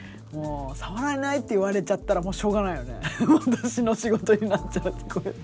もう触れないって言われちゃったらもうしょうがないよね。私の仕事になっちゃう。